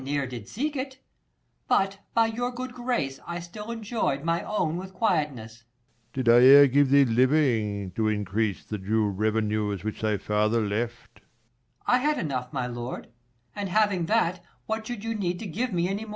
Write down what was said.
I ne'er did seek it ; but by your good grace, I still enjoyed my own with quietness. 70 Lelr. Did I ere give thee living, to increase The due revenues which thy father left ? Per. I had enough, my lord, and having that, What should you need to give me any more